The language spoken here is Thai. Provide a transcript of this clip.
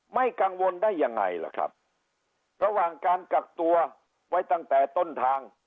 ไม่กังวลได้ยังไงล่ะครับระหว่างการกักตัวไว้ตั้งแต่ต้นทาง